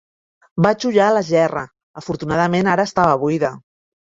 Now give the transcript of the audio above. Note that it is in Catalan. Vaig ullar la gerra. Afortunadament, ara estava buida.